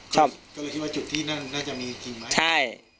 ก็เลยคิดว่าจุดที่นั่นน่าจะมีจริงไหมใช่